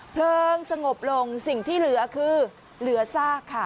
เพลิงสงบลงสิ่งที่เหลือคือเหลือซากค่ะ